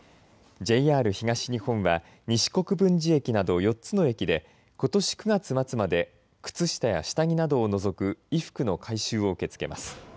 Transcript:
ＪＲ東日本は西国分寺駅など４つの駅で、ことし９月末まで靴下や下着などを除く衣服の回収を受け付けます。